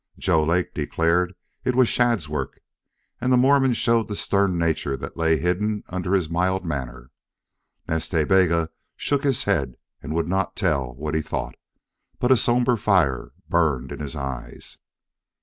Joe Lake declared it was Shadd's work, and the Mormon showed the stern nature that lay hidden under his mild manner. Nas Ta Bega shook his head and would not tell what he thought. But a somber fire burned in his eyes.